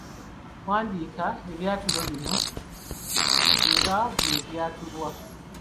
Wandiika ebyatulo bino nga bwe byatulwa.